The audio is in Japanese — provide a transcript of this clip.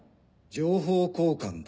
情報交換だ。